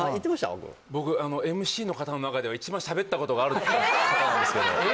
僕僕あのＭＣの方の中では一番喋ったことがある方なんですけどえ！